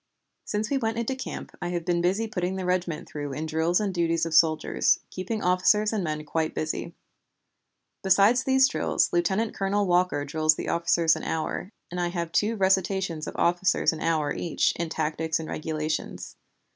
Since we went into camp I have been putting the regiment through in drill and duties of soldiers, keeping officers and men quite busy. Besides these drills, Lieutenant Colonel Walker drills the officers an hour, and I have two recitations of officers an hour each in Tactics and Regulations.